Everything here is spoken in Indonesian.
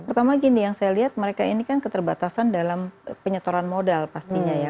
pertama gini yang saya lihat mereka ini kan keterbatasan dalam penyetoran modal pastinya ya